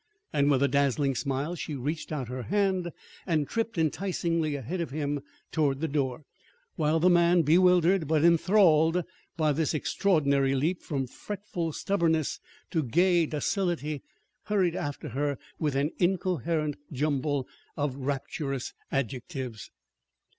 And, with a dazzling smile, she reached out her hand and tripped enticingly ahead of him toward the door; while the man, bewildered, but enthralled by this extraordinary leap from fretful stubbornness to gay docility, hurried after her with an incoherent jumble of rapturous adjectives.